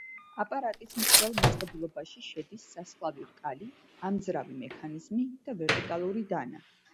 აპარატის მჭრელ მოწყობილობაში შედის სასხლავი რკალი, ამძრავი მექანიზმი და ვერტიკალური დანა.